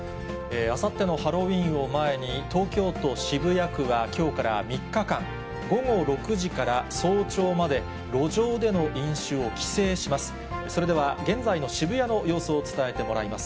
あさってのハロウィーンを前に、東京都渋谷区はきょうから３日間、午後６時から早朝まで、路上での飲酒を規制します。